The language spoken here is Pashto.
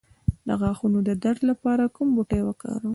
د غاښونو د درد لپاره کوم بوټی وکاروم؟